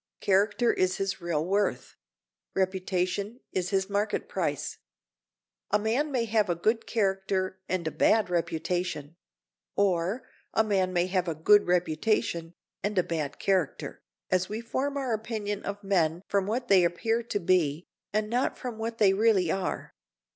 Character is his real worth; reputation is his market price. A man may have a good character and a bad reputation; or, a man may have a good reputation and a bad character, as we form our opinion of men from what they appear to be, and not from what they really are.